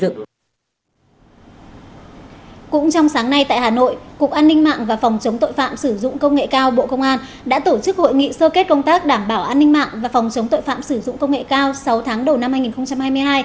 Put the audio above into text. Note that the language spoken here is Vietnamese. cũng trong sáng nay tại hà nội cục an ninh mạng và phòng chống tội phạm sử dụng công nghệ cao bộ công an đã tổ chức hội nghị sơ kết công tác đảm bảo an ninh mạng và phòng chống tội phạm sử dụng công nghệ cao sáu tháng đầu năm hai nghìn hai mươi hai